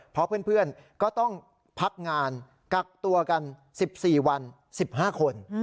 เพราะเพื่อนก็ต้องพักงานกักตัวกัน๑๔วัน๑๕คน